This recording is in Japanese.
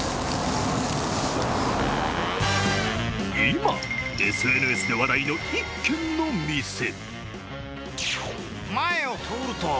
今、ＳＮＳで話題の一軒の店。